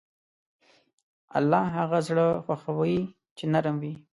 الله هغه زړه خوښوي چې نرم وي.